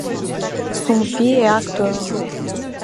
Son fils est acteur.